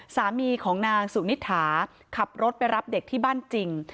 สามีของนางสุนิษฐาขับรถไปรับเด็กที่บ้านจริง